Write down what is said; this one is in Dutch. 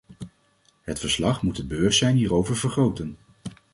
Het verslag moet het bewustzijn hierover vergroten.